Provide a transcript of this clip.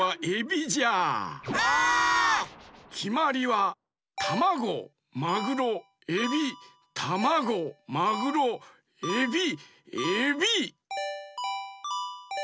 きまりはタマゴマグロエビタマゴマグロエビエビ！